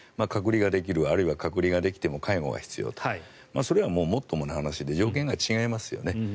隔離ができるあるいは隔離ができても介護が必要それはもう、もっともな話で条件が違いますよね。